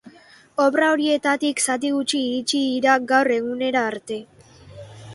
Obra horietatik zati gutxi iritsi dira gaur egunera arte.